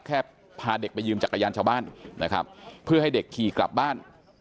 แค่พาเด็กไปยืมจักรยานชาวบ้านนะครับเพื่อให้เด็กขี่กลับบ้าน